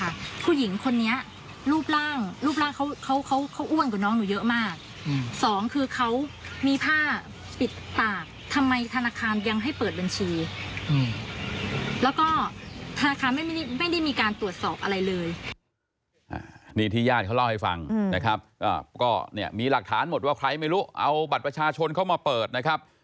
นี่ที่ญาติเขาเล่าให้ฟังนะครับก็เนี่ยมีหลักฐานหมดว่าใครไม่รู้เอาบัตรประชาชนเข้ามาเปิดนะครับ